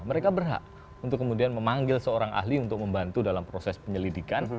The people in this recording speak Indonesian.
mereka berhak untuk kemudian memanggil seorang ahli untuk membantu dalam proses penyelidikan